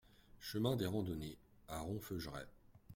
Chemin des Randonnées à Ronfeugerai